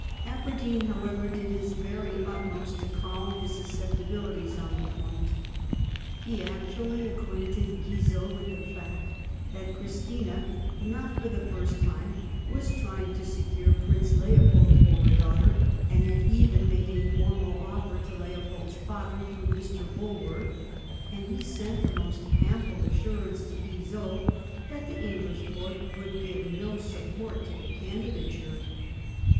Aberdeen, however, did his very utmost to calm his susceptibilities on the point. He fiotually acquainted Guizot with the fact that Christina, not for the first time, was trying to secure Prince Leo pold for her daughter, and had even made a formal oflfer to Leopold's father through Mr. Bulwer ; and he sent the most ample assurance to Guizot that the English Court would give no support to the candidature.